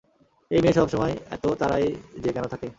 এই মেয়ে সবসময় এত তাড়ায় যে কেন থাকে?